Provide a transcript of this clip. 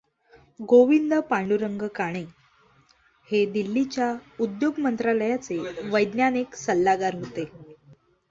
गोविंद पांडुरंग काणे हे दिल्लीच्या उद्योग मंत्रालयाचे वैज्ञानिक सल्लागार होते.